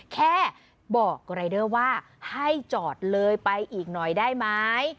แค่บอกรายเดอร์ว่าให้จอดเลยไปอีกหน่อยได้ไหม